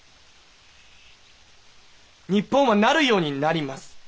日本はなるようになります。